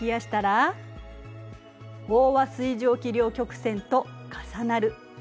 飽和水蒸気量曲線と重なる。